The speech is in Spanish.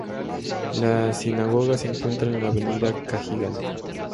La sinagoga se encuentra en la Avenida Cajigal.